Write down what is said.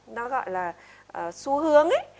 nó gọi là xu hướng ấy